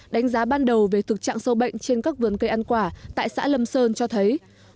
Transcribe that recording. đánh giá ban đầu về thực trạng sâu bệnh trên các vườn cây ăn quả tại xã lâm sơn cho thấy